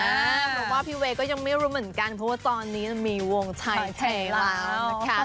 เพราะว่าพี่เวย์ก็ยังไม่รู้เหมือนกันเพราะว่าตอนนี้มีวงชัยแชทแล้วนะคะ